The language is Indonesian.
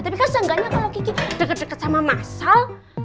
tapi kan seenggaknya kalau kiki deket deket sama masal